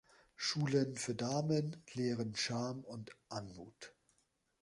Schulen für Damen lehren Charme und Anmut.